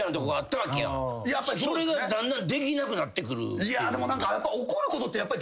それがだんだんできなくなってくる。